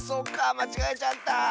まちがえちゃった！